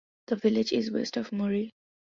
The village is west of Muri.